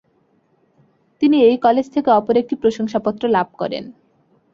তিনি এই কলেজ থেকে অপর একটি প্রশংসাপত্র লাভ করেন।